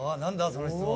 その質問。